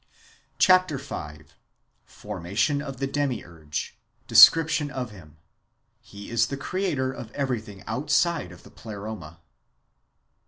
Chap. v. — Formation of the Demiurge ; descrij^tion of Jam. He is the creator of everything outside of the Pleroma.